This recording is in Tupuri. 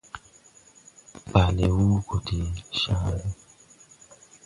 Ɓaale Wúmo gɔ de caage.